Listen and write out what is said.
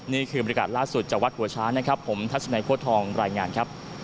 นี่คือบริการล่าสุดจากวัดหัวช้างนะครับผมทัศนัยโค้ดทองรายงานครับ